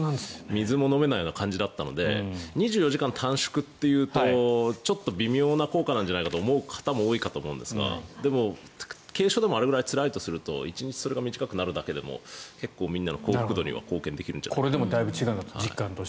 水も飲めないような感じだったので２４時間短縮というとちょっと微妙な効果なんじゃないかと思う方も多いと思いますがでも軽症でもあれぐらいつらいとすると１日それが短くなるだけでも結構みんなの幸福度には貢献できるんじゃないかなと。